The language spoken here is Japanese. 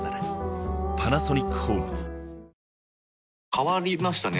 変わりましたね。